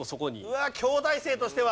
うわっ京大生としては。